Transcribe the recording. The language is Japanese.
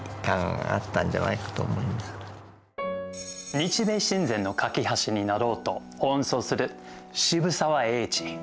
日米親善の懸け橋になろうと奔走する渋沢栄一。